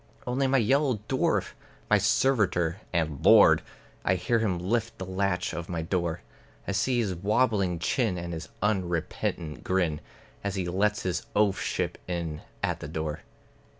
Only my yellow dwarf; (my servitor and lord!) I hear him lift the latch of my door; I see his wobbling chin and his unrepentant grin, As he lets his oafship in at the door.